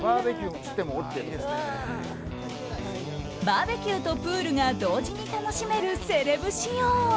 バーベキューとプールが同時に楽しめるセレブ仕様。